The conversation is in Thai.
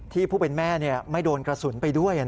ผู้เป็นแม่ไม่โดนกระสุนไปด้วย